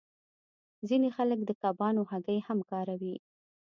ځینې خلک د کبانو هګۍ هم کاروي